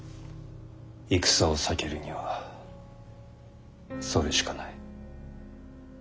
戦を避けるにはそれしかない。